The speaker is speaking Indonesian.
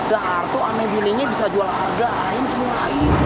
darto aneh beningnya bisa jual harga lain semua itu